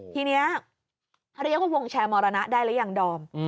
ทีนี้เขาเรียกว่าวงแชร์มรณะได้หรือยังดอม